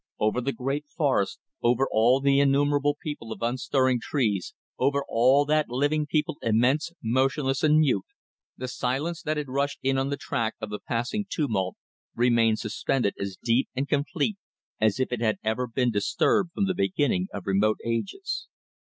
Over the great forests, over all the innumerable people of unstirring trees over all that living people immense, motionless, and mute the silence, that had rushed in on the track of the passing tumult, remained suspended as deep and complete as if it had never been disturbed from the beginning of remote ages.